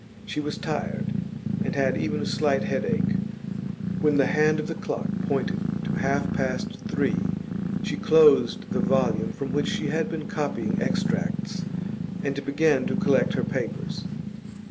She was tired, and had even a slight headache. When the hand of the clock pointed to half past three, she closed the volume from which she had been copying extracts, and began to collect her papers.